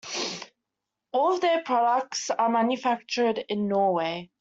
All of their products are manufactured in Norway.